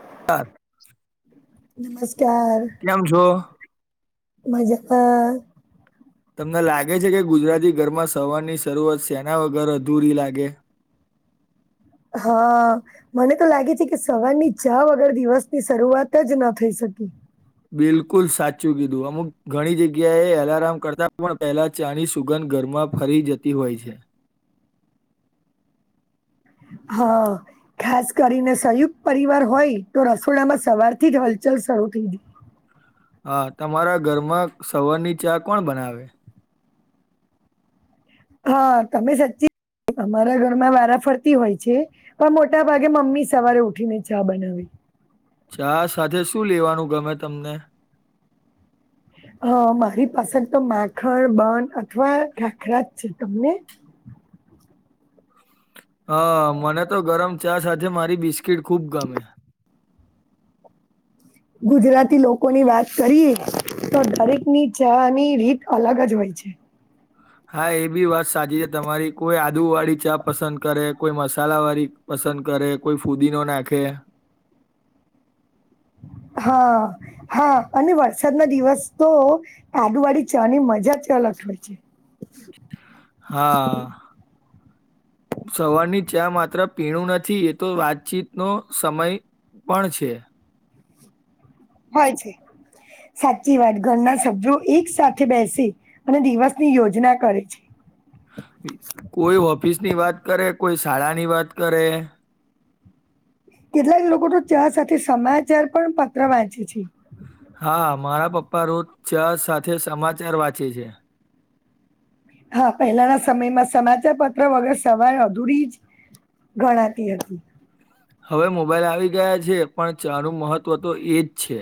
[unintelligible] નમસ્કાર કેમ છો. [unintelligible] તમને લાગે છે, કે ગુજરાતી ઘરમાં સવારની શરૂઆત [unintelligible] વગર અધૂરી લાગે. હા મને તો લાગે છે, કે સવારની ચા વગર દિવસની શરૂઆત જ ના થઈ શ [inaudible] બિલકુલ સાચું કીધું અમુક ઘણી જગ્યાએ અલાર્મ કરતા પણ પહેલા ચાણી સુગંધ ધ [unintelligible] ફરી જતી હોય છે. હા ખાસ કરીને સંયુક્ત પરિવાર હોય તો રસોડામાં સવાર થી જ હલચલ સરુ થય હા તમારા ઘરમાં સવારની ચા કોણ બનાવે. હા તમે સાચી અમારા ઘરમાં વારા ફરતી હોય છે, પણ મોટા ભાગે મમ્મી સવારે ઉઠીને ચા બનાવે ચા સાથે શું લેવાનું ગમે તમને. હ મારી પાસે તો માખણ બંધ અથવા ખાખરા જ છે, તમને હા મને તો ગરમ ચા સાથે મારી બિસ્કીટ ખુબ ગમે. ગુજરાતી લોકો ની વાત કરીએ. તો દરેક ની ચની રીત અલગ જ હોય છે. હા એ બી વાત સાચી છે, તમારી કોઈ આદુ વાળી ચા પસંદ કરે કોઈ મસાલા વાળી. પસંદ કરે કોઈ ફૂદી [unintelligible] નાખે. હા હા અને વરસાદ ના દિવસ તો આદુવાળી ચની મજા [unintelligible] [unintelligible] હા. સવારની ચા માત્ર પીણું નથી એ તો વાતચીતનો સમય પણ છે. હોય છે. સાચી વાત ઘરના [unintelligible] એક સાથે બેસે અને દિવસની યોજના કરે છે. કોઈ ઓફિસ ની વાત કરે કોઈ શાળા ની વાત કરે. કેટલાક લોકો તો [unintelligible] સાથે સમાચાર પણ પત્ર વાંચે છે. હા મારા પપ્પા રોજ [unintelligible] સાથે સમાચાર વાંચે છે. હા પહેલાના સમયમાં સમાચાર પત્ર વગર સવારે અધૂરી જ. ગણાતી હતી. હવે મોબાઈલ આવી ગયા છે, પણ ચનું મહત્ત્વ તો એજ છે.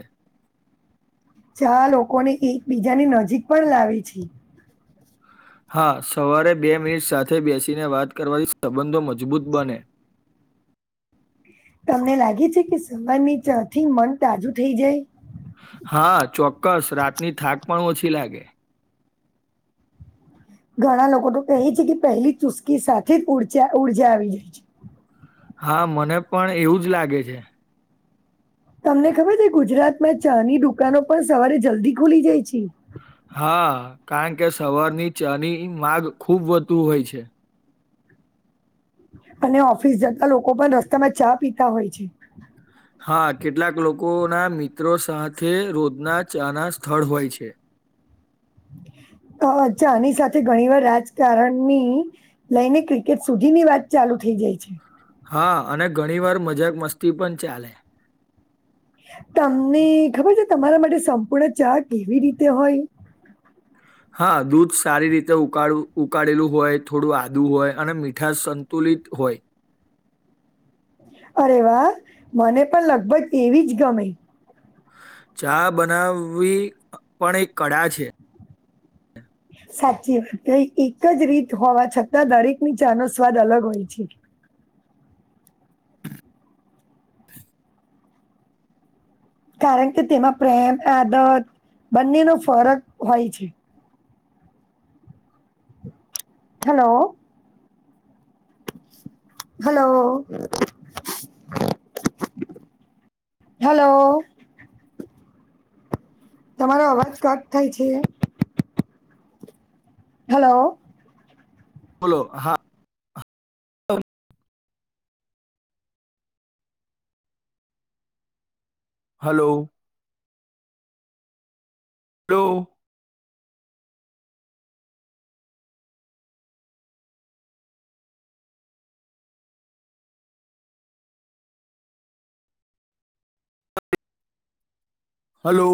ચા લોકોને એકબીજાની નજીક પણ લાવે છે. હા સવારે બે મિનિટ સાથે બેસીને વાત કરવાથી સંબંધો મજબૂત બને. [inaudible] તમને લાગે છે, કે સવાર ની [unintelligible] થી મન તાજું થઈ જાય. હા ચોક્કસ રાતની થાક પણ ઓછી લાગે. ઘણા લોકો તો કહે છે કે પહેલી ચુસ્કી સાથે ઉજૉ ઉર્જા આવી જાય છે હા મને પણ એવું જ લાગે છે તમને ખબર છે ગુજરાતમાં ચાની દુકાનો પણ સવારે જલ્દી ખુલી જાય છે હા કારણ કે સવારની ચાની માગ ખૂબ વધુ હોય છે અને ઓફિસ જતા લોકો પણ રસ્તા માં ચા પીતા હોય છે હા કેટલાક લોકો ના મિત્રો સાથે રોજના ચાના સ્થળ હોય છે [inaudible] તો આ ચાની સાથે ઘણી વાર રાજકારણની લઈને ક્રિકેટ સુધીની વાત ચાલુ થઈ જાય છે હા અને ઘણી વાર મજાક મસ્તી પણ ચાલે તમને ખબર છે તમારા માટે સંપૂર્ણ ચા કેવી રીતે હોય [inaudible] [inaudible] હા દૂધ સારી રીતે ઉકાળ ઉકાળેલું હોય થોડું આદું હોય અને મીઠા સંતુલિત હોય અરે વાહ મને પણ લગભગ એવી જ ગમે ચા બનાવી પણ એક કળા છે સાચી વાત એક જ રીત હોવા છતાં દરેક ની ચા નો સ્વાદ અલગ હોય છે [inaudible] [inaudible] કારણ કે તેમાં પ્રેમ આદત બંનેનો ફરક હોય છે હેલો હલો હલો તમારો અવાજ કટ થાય છે હલો બોલો હા હલો હલો હલો